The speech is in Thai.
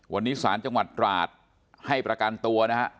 วันนี้ศาลจังหวัดตราดให้ประกันตัวนะฮะ